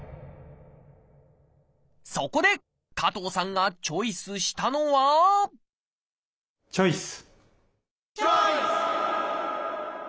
そこで加藤さんがチョイスしたのはチョイス！